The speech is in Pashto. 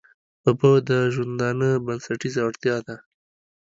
اوبه د ژوندانه بنسټيزه اړتيا ده.